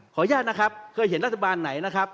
อนุญาตนะครับเคยเห็นรัฐบาลไหนนะครับ